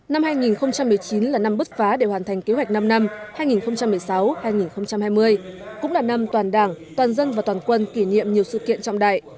năm hai nghìn một mươi chín là năm bứt phá để hoàn thành kế hoạch năm năm hai nghìn một mươi sáu hai nghìn hai mươi cũng là năm toàn đảng toàn dân và toàn quân kỷ niệm nhiều sự kiện trọng đại